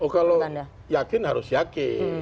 kalau yakin harus yakin